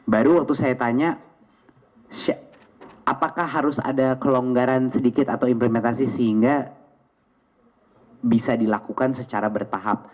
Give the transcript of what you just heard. baru waktu saya tanya apakah harus ada kelonggaran sedikit atau implementasi sehingga bisa dilakukan secara bertahap